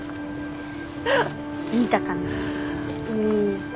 似た感じ。